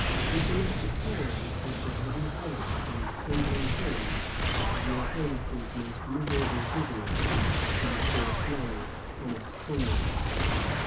Written at the Tower, with the heavy heart and trembling hand of your highness's most miserable prisoner and poor slave, Thomas Cromwell."